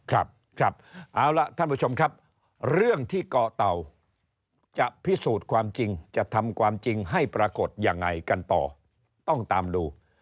ครับครับเอาล่ะท่านผู้ชมครับเรื่องที่เกาะเต่าจะพิสูจน์ความจริงจะทำความจริงให้ปรากฏยังไงกันต่อต้องตามดู